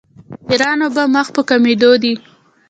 د ایران اوبه مخ په کمیدو دي.